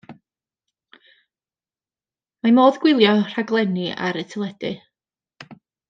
Mae modd gwylio rhaglenni ar y teledu.